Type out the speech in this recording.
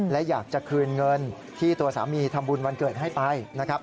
และอยากจะคืนเงินที่ตัวสามีทำบุญวันเกิดให้ไปนะครับ